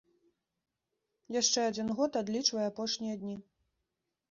Яшчэ адзін год адлічвае апошнія дні.